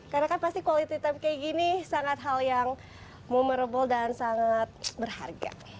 karena kan pasti quality time kayak gini sangat hal yang memorable dan sangat berharga